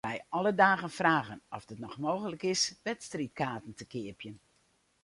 Wy krije alle dagen fragen oft it noch mooglik is om wedstriidkaarten te keapjen.